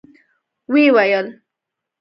ويې ويل: